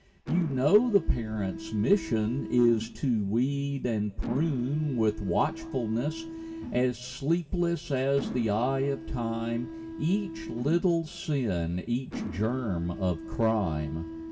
You know the parents' mission is To weed and prune, with watchfulness As sleepless as the eye of time, Each little sin, each germ of crime.